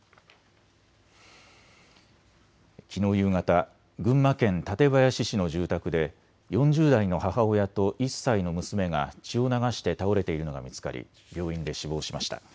きのう夕方、群馬県館林市の住宅で４０代の母親と１歳の娘が血を流して倒れているのが見つかり病院で死亡しました。